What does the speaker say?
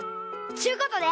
ちゅうことで。